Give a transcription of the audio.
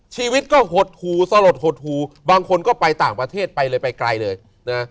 ชีวิตก็หดหูสลดหดหูบางคนก็ไปต่างประเทศไปเลยไปไกลเลยนะ